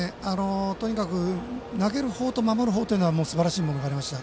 とにかく投げる方と守る方はすばらしいものがありました。